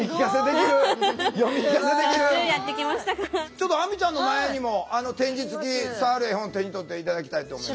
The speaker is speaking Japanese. ちょっと亜美ちゃんの前にも点字つき触る絵本手に取って頂きたいと思います。